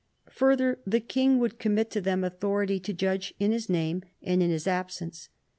Further, the king would commit to them authority to judge in his name and in his absence.